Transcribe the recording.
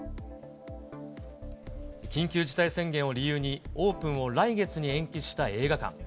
緊急事態宣言を理由に、オープンを来月に延期した映画館。